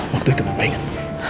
waktu itu papa inget